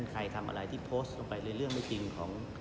ใครทำอะไรที่โพสต์ลงไปในเรื่องไม่จริงของ